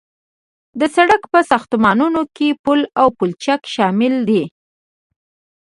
د سرک په ساختمانونو کې پل او پلچک شامل دي